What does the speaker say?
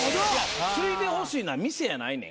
継いでほしいのは店やないねん。